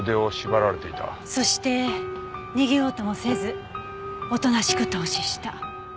そして逃げようともせずおとなしく凍死した。